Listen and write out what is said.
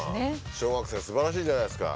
小学生すばらしいじゃないですか。